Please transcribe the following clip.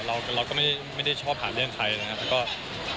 เราก็ไม่ได้ชอบหาเรื่องใครนะครับ